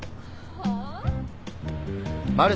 はあ？